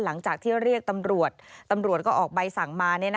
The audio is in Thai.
หลังจากที่เรียกตำรวจตำรวจก็ออกใบสั่งมา